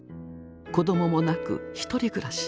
子どももなく１人暮らし。